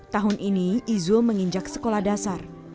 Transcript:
tahun ini izo menginjak sekolah dasar